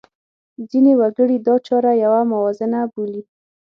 ځینې وګړي دا چاره یوه موازنه بولي.